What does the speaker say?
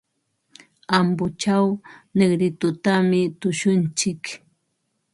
Ambochaw Negritotami tushuntsik.